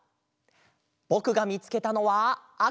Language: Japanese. ぼくがみつけたのはあか！